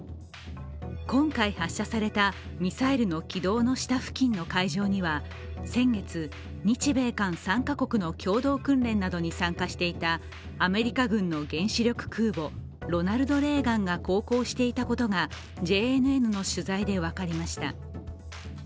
今回発射されたミサイルの軌道の下付近の海上には先月、日米韓３か国の共同訓練などに参加していたアメリカ軍の原子力空母「ロナルド・レーガン」が航行していたことがＪＮＮの取材で分かりました。